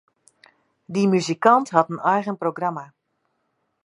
Dy muzikant hat in eigen programma.